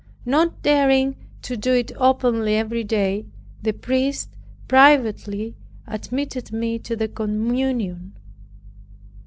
Not daring to do it openly every day, the priest privately admitted me to the communion.